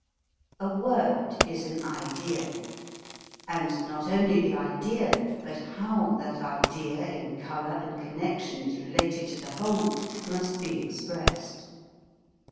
A word is an idea; and not only the idea, but how that idea in color and connection is related to the whole, must be expressed.